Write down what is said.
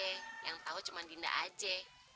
iya yang tau cuma dinda aja